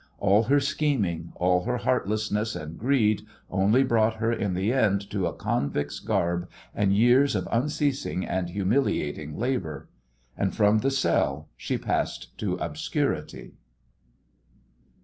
All her scheming, all her heartlessness and greed only brought her in the end to a convict's garb and years of unceasing and humiliating labour. And from the cell she passed to obscurity.